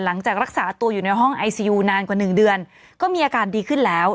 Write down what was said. หลังจากรักษาตัวอยู่ในห้องไอซียูนานกว่าหนึ่งเดือนก็มีอาการดีขึ้นแล้ว